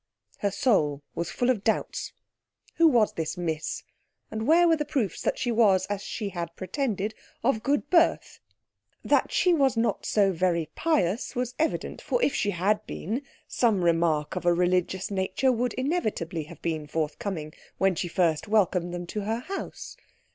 Her soul was full of doubts. Who was this Miss, and where were the proofs that she was, as she had pretended, of good birth? That she was not so very pious was evident; for if she had been, some remark of a religious nature would inevitably have been forthcoming when she first welcomed them to her house.